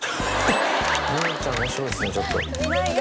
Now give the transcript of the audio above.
むぅちゃん面白いですねちょっと。